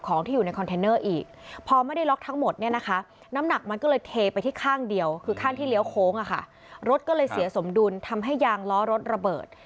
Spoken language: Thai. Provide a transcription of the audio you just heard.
คือข้างที่เลี้ยวโค้งค่ะรถก็เลยเสียสมดุลทำให้ยางล้อรถระเบิด